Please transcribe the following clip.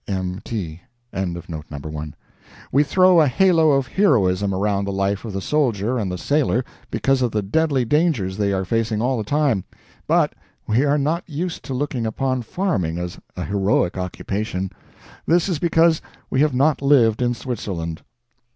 M.T.] We throw a halo of heroism around the life of the soldier and the sailor, because of the deadly dangers they are facing all the time. But we are not used to looking upon farming as a heroic occupation. This is because we have not lived in Switzerland.